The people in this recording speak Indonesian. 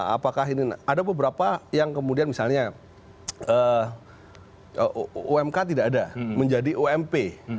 apakah ini ada beberapa yang kemudian misalnya umk tidak ada menjadi ump